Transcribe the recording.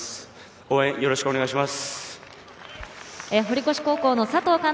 応援、よろしくお願いします。